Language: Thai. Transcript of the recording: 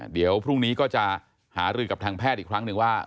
เดี๋ยวพรุ่งนี้ก็จะหารือกับทางแพทย์อีกครั้งหนึ่งว่า